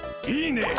いいね。